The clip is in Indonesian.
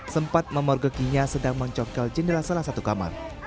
sempat memergokinya sedang mencongkel jendela salah satu kamar